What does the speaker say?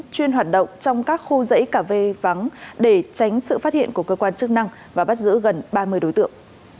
chuyên hoạt động trong các khu dãy cà phê vắng để tránh sự phát hiện của cơ quan chức năng và bắt giữ gần ba mươi đối tượng